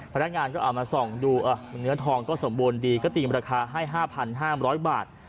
พนักงานก็เอามาส่องดูเนื้อทองก็สมบูรณ์ดีก็ตีราคาให้๕๕๐๐บาท